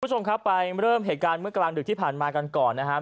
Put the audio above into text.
คุณผู้ชมครับไปเริ่มเหตุการณ์เมื่อกลางดึกที่ผ่านมากันก่อนนะครับ